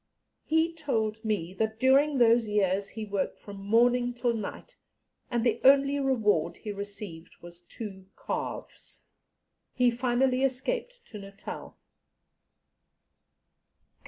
He told me that during those years he worked from morning till night, and the only reward he received was two calves. He finally escaped to Natal."